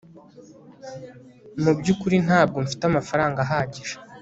mu byukuri ntabwo mfite amafaranga ahagije